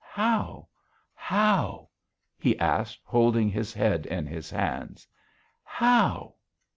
"How? How?" he asked, holding his head in his hands. "How?"